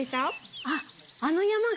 あっ、あの山が？